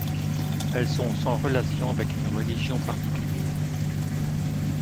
Elles sont sans relation avec une religion particulière.